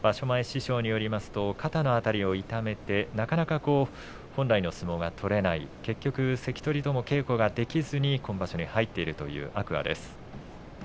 師匠によりますと肩の辺りを痛めて、なかなか本来の相撲が取れない結局、関取とも稽古ができずに今場所に入っているという天空海です。